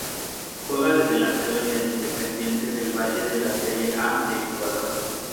Juega de delantero en Independiente del Valle de la Serie A de Ecuador.